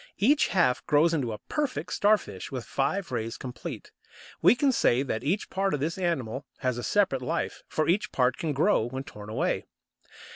Each half grows into a perfect Starfish with five rays complete. We can say that each part of this animal has a separate life, for each part can grow when torn away.